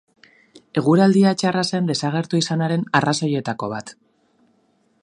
Eguraldia txarra zen desagertu izanaren arrazoietako bat.